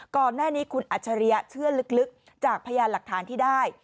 ก่อนหน้านี้คุณอัจฉริยะเชื่อลึกจากพยานหลักฐานที่ได้